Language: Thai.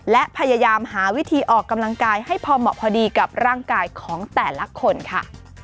และพยายามหาวิธีออกกำลังกายให้พอเหมาะพอดีกับร่างกายของแต่ละคนค่ะ